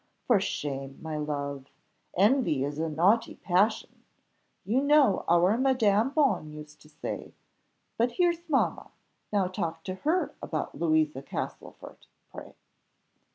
for shame, my love! Envy is a naughty passion, you know our Madame Bonne used to say; but here's mamma, now talk to her about Louisa Castlefort, pray."